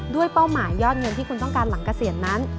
เป้าหมายยอดเงินที่คุณต้องการหลังเกษียณนั้น